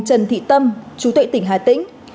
trần thị tâm chú tuệ tỉnh hà tĩnh